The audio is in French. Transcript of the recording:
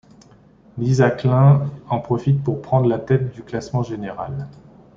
Lisa Klein en profite pour prendre la tête du classement général.